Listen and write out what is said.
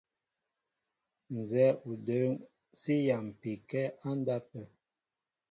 Nzɛ́ɛ́ o də̌ŋ sí yámpi kɛ́ á ndápə̂.